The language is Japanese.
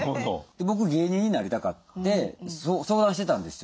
僕芸人になりたかって相談してたんですよ